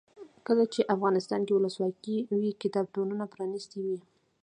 کله چې افغانستان کې ولسواکي وي کتابتونونه پرانیستي وي.